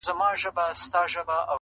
ويل درې مياشتي چي كړې مي نشه ده٫